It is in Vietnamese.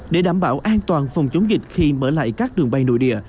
để đảm bảo an toàn phòng chống dịch khi mở lại các đường bay nội địa